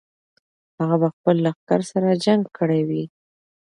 هغه به خپل لښکر سره جنګ کړی وي.